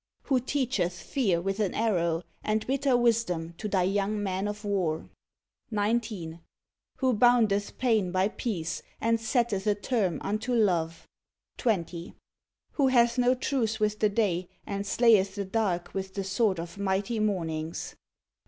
Who teacheth fear with an arrow, and bitter wisdom to thy young men of war; 19. Who boundeth pain by peace, and setteth a term unto love; 20. Who hath no truce with the day, and slayeth the dark with the sword of mighty mornings; 21.